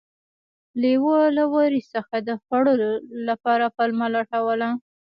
لیوه له وري څخه د خوړلو لپاره پلمه لټوله.